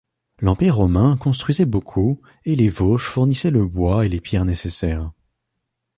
L'Empire romain construisait beaucoup et les Vosges fournissaient le bois et les pierres nécessaires.